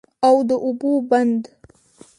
او د اوبو بند